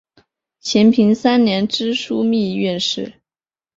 咸平三年知枢密院事。